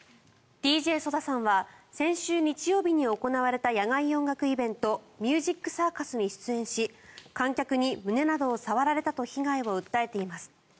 ＤＪＳＯＤＡさんは先週日曜日に行われた野外音楽イベントＭＵＳＩＣＣＩＲＣＵＳに出演し観客に胸などを触られたと被害を訴えています。